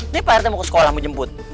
ini pak rt mau ke sekolah mau jemput